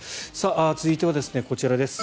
続いてはこちらです。